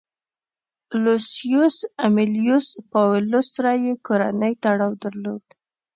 لوسیوس امیلیوس پاولوس سره یې کورنی تړاو درلود